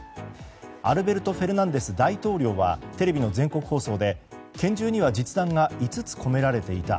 アルベルト・フェルナンデス大統領はテレビの全国放送で拳銃には実弾が５つ込められていた。